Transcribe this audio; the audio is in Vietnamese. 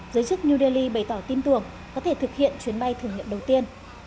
giới chức new delhi bày tỏ tin tưởng có thể thực hiện chuyến bay thử nghiệm đầu tiên